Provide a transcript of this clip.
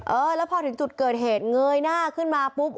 เออแล้วพอถึงจุดเกิดเหตุเงยหน้าขึ้นมาปุ๊บ